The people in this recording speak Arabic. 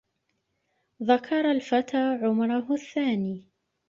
ذكر الفتى عمره الثاني